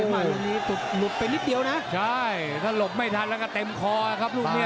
มาตรงนี้หลุดไปนิดเดียวนะใช่ถ้าหลบไม่ทันแล้วก็เต็มคอครับลูกเนี้ย